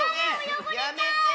やめてよ！